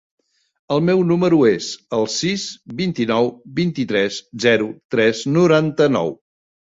El meu número es el sis, vint-i-nou, vint-i-tres, zero, tres, noranta-nou.